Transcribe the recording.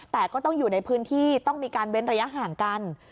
แต่ก็ต้องอยู่ในพื้นที่ต้องมีการเว้นระยะห่างกัน